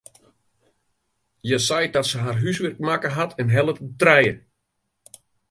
Hja seit dat se har húswurk makke hat en hellet in trije.